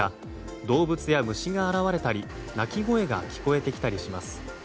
動物や虫が現れたり鳴き声が聞こえてきたりします。